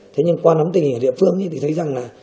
thế nhưng qua nắm tình hình ở địa phương thì thấy rằng là